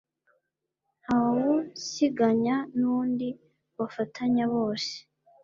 ntawusiganya nundi. Bafatanya bose,